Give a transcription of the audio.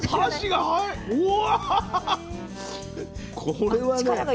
これはね